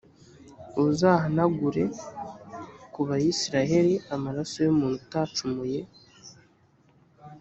uzahanagure ku bayisraheli amaraso y’umuntu utacumuye,